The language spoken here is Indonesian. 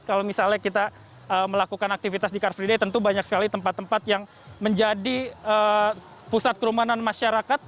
kalau misalnya kita melakukan aktivitas di car free day tentu banyak sekali tempat tempat yang menjadi pusat kerumunan masyarakat